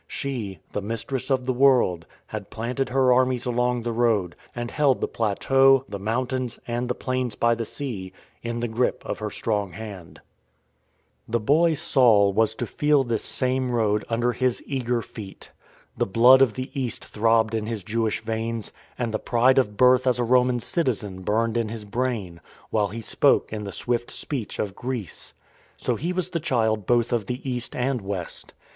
She, the Mistress of the World, had planted her armies along the Road, and held the plateau, the mountains, and the plains by the sea, in the grip of her strong hand. * Xenophon : Anabasis. 22 PROLOGUE The boy Saul was to feel this same Road under his eager feet. The blood of the East throbbed in his Jewish veins, and the pride of birth as a Roman citi zen burned in his brain, while he spoke in the swift speech of Greece. So he was the child both of the East and West.